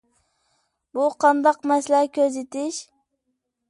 بۇ قانداق مەسىلە كۆزىتىش؟